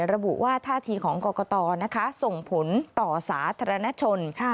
ระบุว่าท่าทีของกรกตส่งผลต่อสาธารณชน